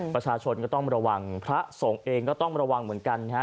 ประชาชนก็ต้องระวังพระสงฆ์เองก็ต้องระวังเหมือนกันฮะ